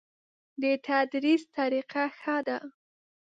د تدریس طریقه ښه ده؟